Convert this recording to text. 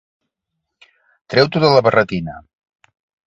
Treu-t'ho de la barretina.